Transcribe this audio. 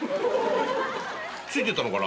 ついてたのか？